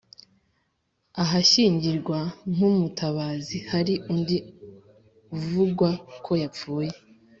ahashyingirwa nk umutabazi Hari undi uvugwa ko yapfuye